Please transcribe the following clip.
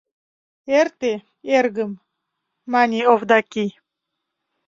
— Эрте, эргым, — мане Овдаки.